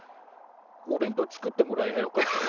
お弁当作ってもらえやよかった。